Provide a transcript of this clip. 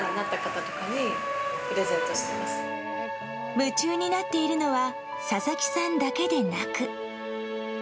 夢中になっているのは佐々木さんだけでなく。